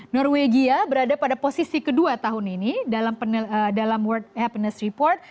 norwegia berada pada posisi kedua tahun ini dalam world happiness report